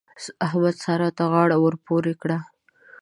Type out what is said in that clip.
احمد؛ سارا ته غاړه ور پورې کړه.